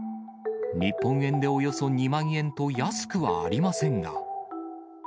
日本円でおよそ２万円と安くはありませんが。